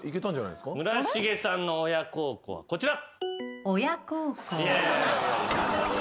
村重さんの「親孝行」はこちら。